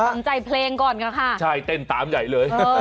สนใจเพลงก่อนค่ะใช่เต้นตามใหญ่เลย